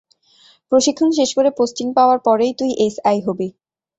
প্রশিক্ষণ শেষ করে পোস্টিং পাওয়ার পরেই তুই এসআই হবি।